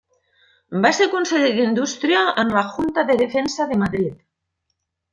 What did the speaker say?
Va ser conseller d'Indústria en la Junta de Defensa de Madrid.